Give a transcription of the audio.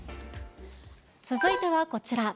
続いてはこちら。